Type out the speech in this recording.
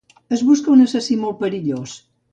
Es busca un assassí molt perillós